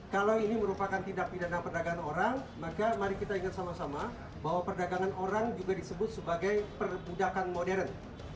kalau ini merupakan tindak pidana perdagangan orang maka mari kita ingat sama sama bahwa perdagangan orang juga disebut sebagai perbudakan modern